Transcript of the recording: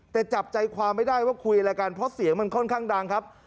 แต่จับใจความไม่ได้ว่าคุยอะไรกันเพราะเสียงมันค่อนข้างดังครับ